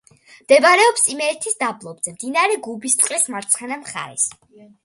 მდებარეობს იმერეთის დაბლობზე, მდინარე გუბისწყლის მარცხენა მხარეს.